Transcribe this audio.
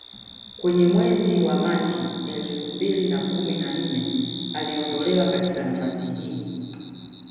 Kwenye mwezi wa Machi elfu mbili na kumi na nne aliondolewa katika nafasi hii